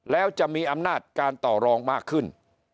แล้วจะมีอำนาจการต่อรองมากขึ้น